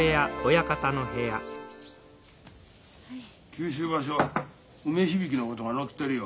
九州場所梅響のことが載ってるよ。